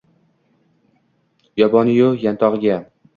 Yoboni-yu yantogʼiga